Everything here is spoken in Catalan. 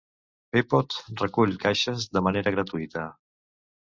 Peapod recull caixes de manera gratuïta.